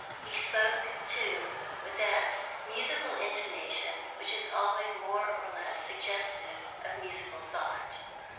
He spoke, too, with that musical intonation which is always more or less suggestive of musical thought.